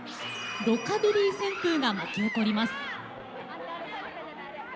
ロカビリー旋風が巻き起こります。